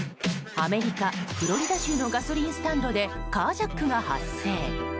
アメリカ・フロリダ州のガソリンスタンドでカージャックが発生。